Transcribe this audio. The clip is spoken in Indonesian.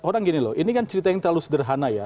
orang gini loh ini kan cerita yang terlalu sederhana ya